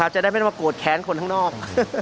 จะได้ไม่กลัวโกรธแค้นคนทางนอก